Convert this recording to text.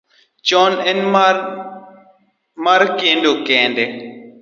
chon ne en mar kedo kende.